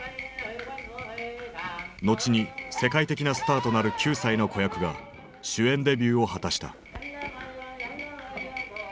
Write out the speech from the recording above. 後に世界的なスターとなる９歳の子役が主演デビューを果たした。